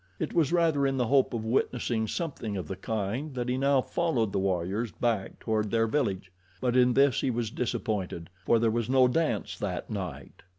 It was rather in the hope of witnessing something of the kind that he now followed the warriors back toward their village, but in this he was disappointed, for there was no dance that night.